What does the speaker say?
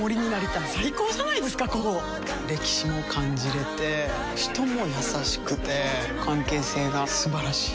歴史も感じれて人も優しくて関係性が素晴らしい。